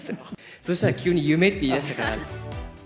そしたら、急に夢って言いだしたから。